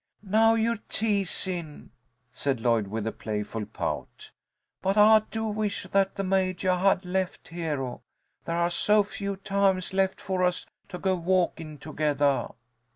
"Now you're teasin'," said Lloyd, with a playful pout. "But I do wish that the Majah had left Hero. There are so few times left for us to go walkin' togethah."